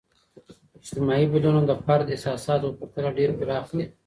اجتماعي بدلونونه د فرد احساساتو په پرتله ډیر پراخ دي.